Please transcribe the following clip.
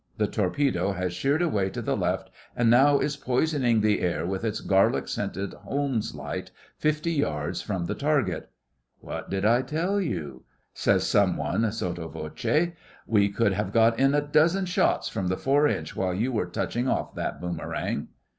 The torpedo has sheered away to the left, and now is poisoning the air with its garlic scented Holmes light, fifty yards from the target. 'What did I tell you?' says some one sotto voce. 'We could have got in a dozen shots from the four inch while you were touching off that boomerang.